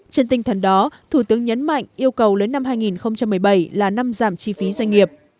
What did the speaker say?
trên tinh thần đó thủ tướng nhấn mạnh yêu cầu lấy năm hai nghìn một mươi bảy là năm giảm chi phí doanh nghiệp